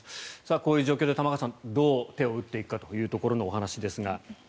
こういう状況で玉川さんどう手を打っていくかというところのお話ですが。